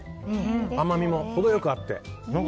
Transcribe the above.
甘みもほどよくあって。